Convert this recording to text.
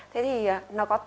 thế thì nó có